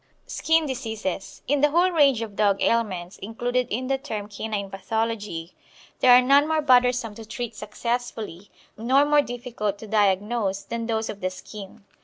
SKIN DISEASES. In the whole range of dog ailments included in the term canine pathology there are none more bothersome to treat successfully nor more difficult to diagnose than those of the skin.